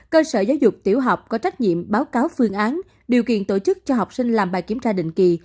cơ sở giáo dục tiểu học có trách nhiệm báo cáo phương án điều kiện tổ chức cho học sinh làm bài kiểm tra định kỳ